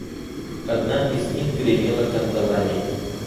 Одна из них гремела кандалами.